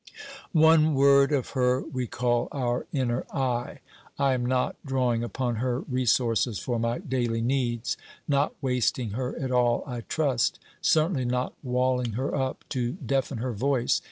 'One word of her we call our inner I. I am not drawing upon her resources for my daily needs; not wasting her at all, I trust; certainly not walling her up, to deafen her voice.